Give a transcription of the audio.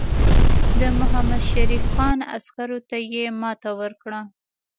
د محمدشریف خان عسکرو ته یې ماته ورکړه.